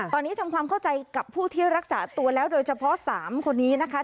ตอนนี้ทำความเข้าใจกับผู้ที่รักษาตัวแล้วโดยเฉพาะ๓คนนี้นะคะ